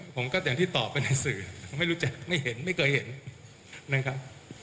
ผมก็อย่างที่ตอบไปในสื่อไม่รู้จักไม่เห็นไม่เคยเห็นนะครับ